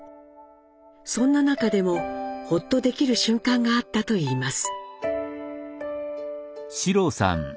そんな中でもホッとできる瞬間があったといいます。